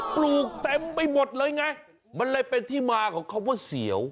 ปลูกเต็มไปหมดเลยไงมันเลยเป็นที่มาของคำว่าเสียว